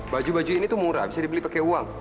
baju baju ini tuh murah bisa dibeli pakai uang